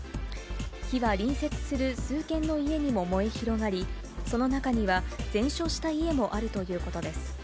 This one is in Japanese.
火は隣接する数軒の家にも燃え広がり、その中には全焼した家もあるということです。